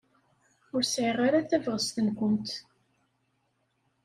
Ur sɛiɣ ara tabɣest-nwent.